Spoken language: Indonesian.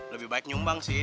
lebih baik nyumbang sih